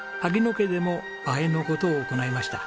家でもあえのことを行いました。